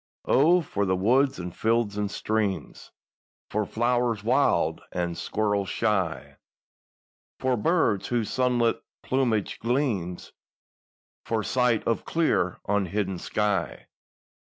O, for the woods and fields and streams, For flowers wild and squirrels shy— For birds whose sunlit plumage gleams, For sight of clear, unhidden sky!